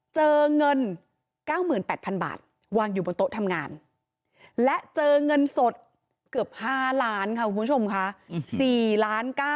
เจอเงิน๙๘๐๐๐บาทวางอยู่บนโต๊ะทำงานและเจอเงินสดเกือบ๕ล้านค่ะคุณผู้ชมค่ะ